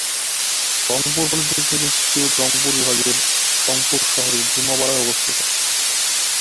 Rangpur polytechnic ইনস্টিটিউটটি রংপুর বিভাগের রংপুর শহরের জুম্মাপাড়ায় অবস্থিত।